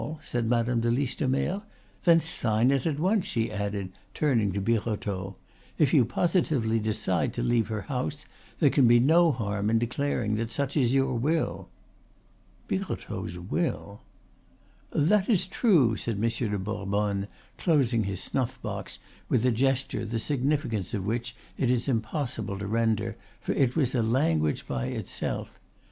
said Madame de Listomere. "Then sign it at once," she added, turning to Birotteau. "If you positively decide to leave her house, there can be no harm in declaring that such is your will." Birotteau's will! "That is true," said Monsieur de Bourbonne, closing his snuff box with a gesture the significance of which it is impossible to render, for it was a language in itself.